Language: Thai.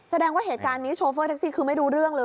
แสดงว่าเหตุการณ์นี้โชเฟอร์แท็กซี่คือไม่รู้เรื่องเลย